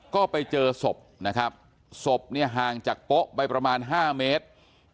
ก็ไปเจอศพนะครับศพเนี่ยห่างจากโป๊ะไปประมาณ๕เมตร